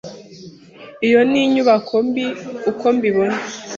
Iyo ni inyubako mbi, uko mbibona.